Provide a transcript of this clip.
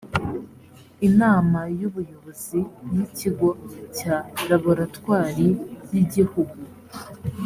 inama y ubuyobozi y ikigo cya laboratwari y igihugu